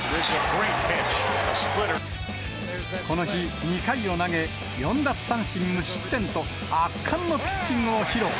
この日、２回を投げ、４奪三振無失点と、圧巻のピッチングを披露。